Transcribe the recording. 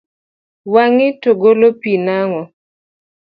Wang’i to golo pi nang’o?